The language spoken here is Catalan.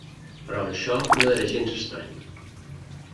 Però això no era gens estrany.